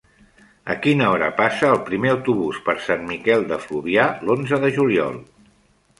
A quina hora passa el primer autobús per Sant Miquel de Fluvià l'onze de juliol?